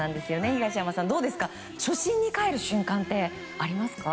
東山さん、初心に帰る瞬間ってありますか？